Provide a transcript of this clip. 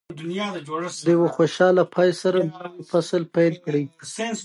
د یوه خوشاله پای سره نوی فصل پیل کړئ.